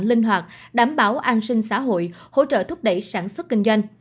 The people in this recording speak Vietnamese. linh hoạt đảm bảo an sinh xã hội hỗ trợ thúc đẩy sản xuất kinh doanh